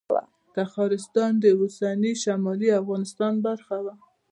تخارستان د اوسني شمالي افغانستان برخه وه